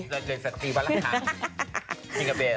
เริ่มเจอสตรีปะละคะ